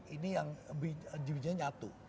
ini yang jubahnya nyatu